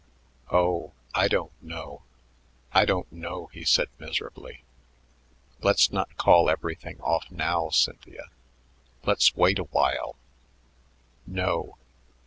"Oh, I don't know; I don't know," he said miserably. "Let's not call everything off now, Cynthia. Let's wait a while." "No!"